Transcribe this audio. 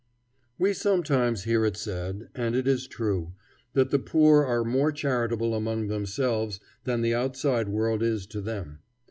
We sometimes hear it said, and it is true, that the poor are more charitable among themselves than the outside world is to them.